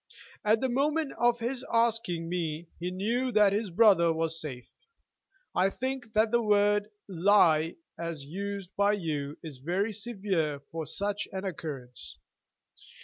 At the moment of his asking me he knew that his brother was safe. I think that the word 'lie,' as used by you, is very severe for such an occurrence.